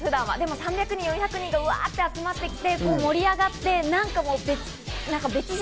でも、３００人、４００人がわっと集まってきて、盛り上がって、別次元。